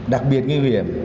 đặc biệt nguy hiểm